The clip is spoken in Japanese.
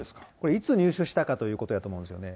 いつ入手したということだと思うんですよね。